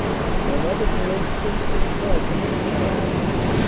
One other coincidence is tragic in character.